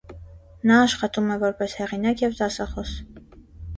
Նա աշխատում է որպես հեղինակ և դասախոս։